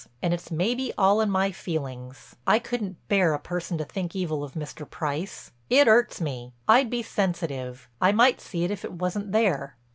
And it's maybe all in my feelings. I couldn't bear a person to think evil of Mr. Price. It 'urts me; I'd be sensitive; I might see it if it wasn't there."